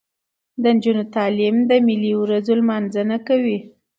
د نجونو تعلیم د ملي ورځو نمانځنه کوي.